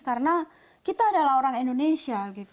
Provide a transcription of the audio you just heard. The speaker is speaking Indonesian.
karena kita adalah orang indonesia